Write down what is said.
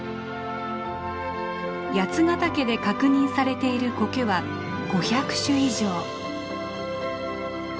八ヶ岳で確認されているコケは５００種以上。